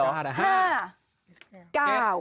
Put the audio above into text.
๕หรือ๕